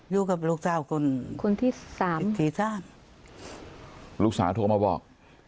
อยู่กับลูกสาวคนคนที่สามสี่สามลูกสาวโทรมาบอก